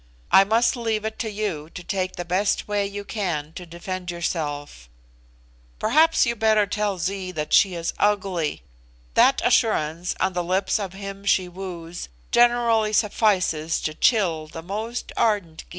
I must leave it to you to take the best way you can to defend yourself. Perhaps you had better tell Zee that she is ugly. That assurance on the lips of him she woos generally suffices to chill the most ardent Gy.